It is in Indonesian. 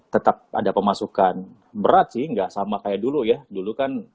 tetap ada pemasukan berat sih nggak sama kayak dulu ya dulu kan